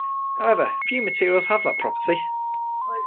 However, few materials have that property.